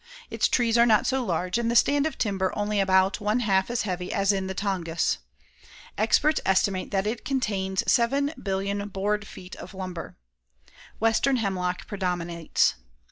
Its trees are not so large and the stand of timber only about one half as heavy as in the Tongass. Experts estimate that it contains 7,000,000,000 board feet of lumber. Western hemlock predominates.